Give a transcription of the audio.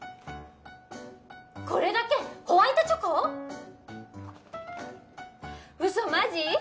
「これだけホワイトチョコ」「ウソマジ！